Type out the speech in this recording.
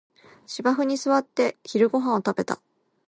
芝生に座って昼ごはんを食べた